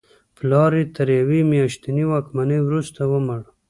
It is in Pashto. پلار یې تر یوې میاشتنۍ واکمنۍ وروسته ومړ.